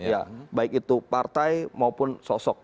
ya baik itu partai maupun sosok